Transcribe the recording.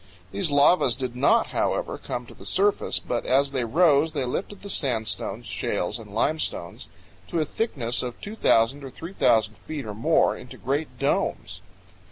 These lavas did not, however, come to the surface, but as they rose they lifted the sandstones, shales, and limestones, to a thickness of 2,000 or 3,000 feet or more, into great domes.